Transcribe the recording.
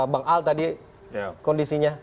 bang al tadi kondisinya